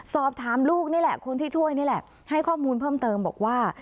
สอบถามลูกนี่แหละคนที่ช่วยนี่แหละให้ข้อมูลเพิ่มเติมบอกว่า